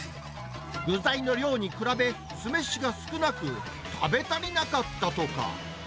具材の量に比べ、酢飯が少なく、食べたりなかったとか。